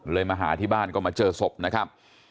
มาหาที่บ้านก็มาเจอศพนะครับ